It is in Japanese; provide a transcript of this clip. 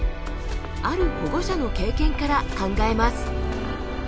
ある保護者の経験から考えます。